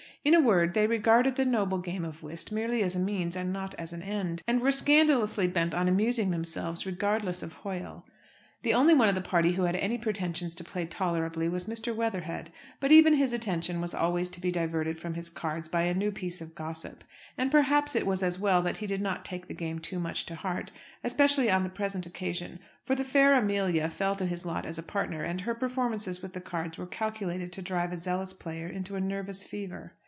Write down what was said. In a word, they regarded the noble game of whist merely as a means and not as an end, and were scandalously bent on amusing themselves regardless of Hoyle. The only one of the party who had any pretensions to play tolerably was Mr. Weatherhead. But even his attention was always to be diverted from his cards by a new piece of gossip. And perhaps, it was as well that he did not take the game too much to heart especially on the present occasion; for the fair Amelia fell to his lot as a partner, and her performances with the cards were calculated to drive a zealous player into a nervous fever.